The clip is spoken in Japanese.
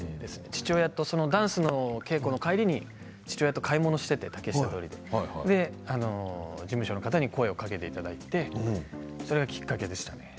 父親と、ダンスの稽古の帰りに父親と買い物をしていて竹下通りで事務所の方に声をかけていただいてそれがきっかけでしたね。